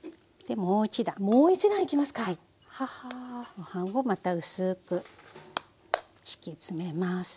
ご飯をまた薄く敷き詰めます。